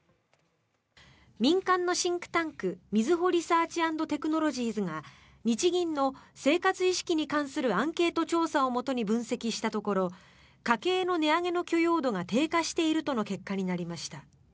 民間のシンクタンクみずほリサーチ＆テクノロジーズが日銀の生活意識に関するアンケート調査をもとに分析したところ家計の値上げの許容度が低下しているとの結果になりました。